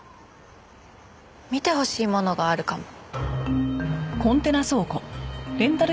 見てほしいものがあるかも。